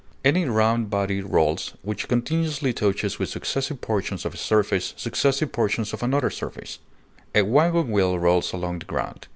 Any round body rolls which continuously touches with successive portions of its surface successive portions of another surface; a wagon wheel rolls along the ground.